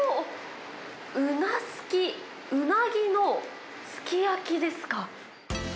うなすき、うなぎのすき焼きですか。